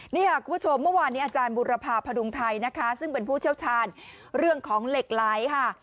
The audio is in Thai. นี่ค่ะคุณผู้ชมเมื่อวานนี้อาจารย์บุรพาพดุงไทยนะคะซึ่งเป็นผู้เชี่ยวชาญเรื่องของเหล็กไหลค่ะ